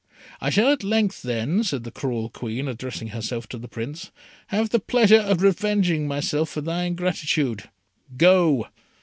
"I shall at length, then," said the cruel Queen, addressing herself to the Prince, "have the pleasure of revenging myself for thy ingratitude. Go!